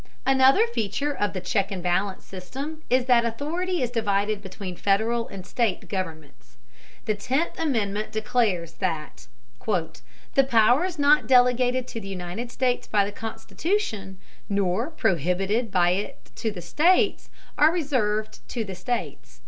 Another feature of the check and balance system is that authority is divided between Federal and state governments. The Tenth Amendment declares that "the powers not delegated to the United States by the Constitution, nor prohibited by it to the states, are reserved to the states."